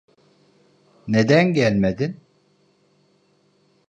Neden gelmedi?